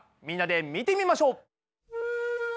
みんなで見てみましょう。